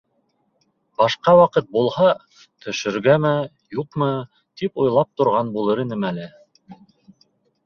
Башҡа ваҡыт булһа, төшөргәме, юҡмы, тип уйлап торған булыр инем әле.